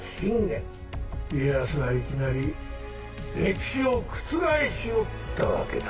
家康はいきなり歴史を覆しおったわけだ。